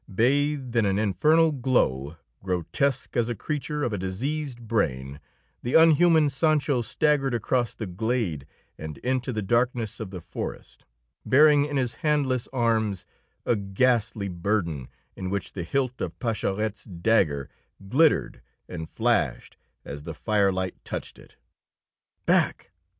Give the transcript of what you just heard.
Bathed in an infernal glow, grotesque as a creature of a diseased brain, the unhuman Sancho staggered across the glade and into the darkness of the forest, bearing in his handless arms a ghastly burden in which the hilt of Pascherette's dagger glittered and flashed as the firelight touched it. "Back!